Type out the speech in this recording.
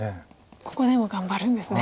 ここでも頑張るんですね。